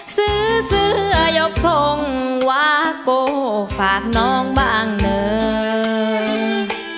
ซื้อเสื้อหยบทรงว่าก็ฝากน้องบ้างเนิ่ง